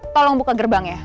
tolong buka gerbangnya